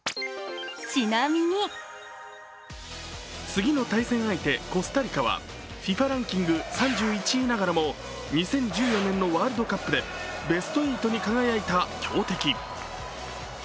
次の対戦相手・コスタリカはＦＩＦＡランキング３１位ながらも２０１４年のワールドカップでベスト８に輝いた強敵。